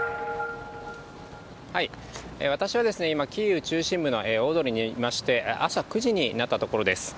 私は今、キーウ中心部の大通りにいまして、朝９時になったところです。